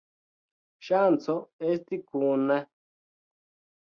Ŝanco esti kune!